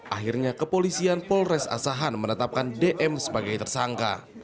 akhirnya kepolisian polres asahan menetapkan dm sebagai tersangka